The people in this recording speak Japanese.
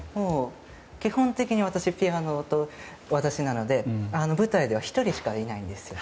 基本的に私、ピアノと私なので舞台では１人しかいないんですよ